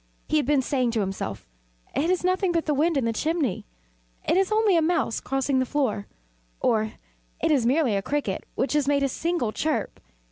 He had been saying to himself "It is nothing but the wind in the chimney it is only a mouse crossing the floor," or "It is merely a cricket which has made a single chirp."